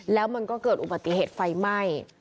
แล้วมันก็เกิดอุบัติเหตุไฟไหม้